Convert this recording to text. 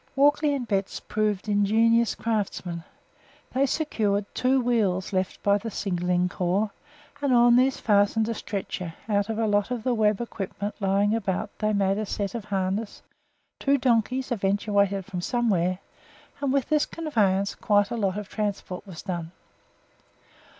Walkley and Betts proved ingenious craftsmen. They secured two wheels left by the Signalling Corps, and on these fastened a stretcher; out of a lot of the web equipment lying about they made a set of harness; two donkeys eventuated from somewhere, and with this conveyance quite a lot of transport was done.